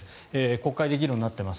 国会で議論になってます。